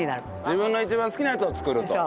自分の一番好きなやつを作ると。